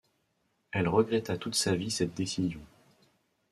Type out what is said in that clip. Elle regretta toute sa vie cette décision.